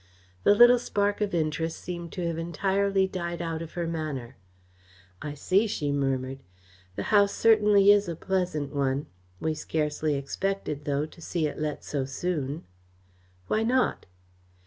The little spark of interest seemed to have entirely died out of her manner. "I see," she murmured. "The house certainly is a pleasant one. We scarcely expected, though, to see it let so soon." "Why not?"